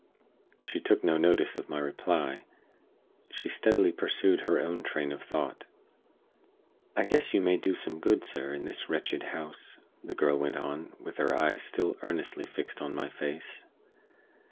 She took no notice of my reply; she steadily pursued her own train of thought. "I guess you may do some good, sir, in this wretched house," the girl went on, with her eyes still earnestly fixed on my face.